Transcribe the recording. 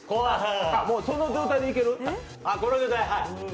その状態でいける？